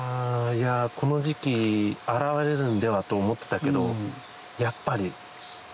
この時期現れるんではと思ってたけどやっぱり。